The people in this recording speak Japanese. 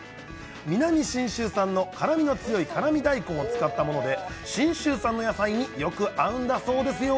南信州産の辛みの強い辛み大根を使ったもので、信州産の野菜によく合うんだそうですよ。